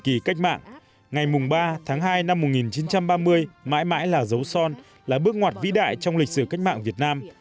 từ cuối năm một nghìn chín trăm ba mươi mãi mãi là dấu son là bước ngoặt vĩ đại trong lịch sử cách mạng việt nam